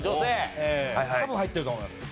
多分入ってると思います。